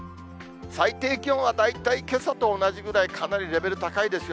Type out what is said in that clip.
最低気温は、大体けさと同じくらい、かなりレベル高いですよ。